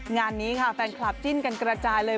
งานนี้ค่ะแฟนคลับจิ้นกันกระจายเลย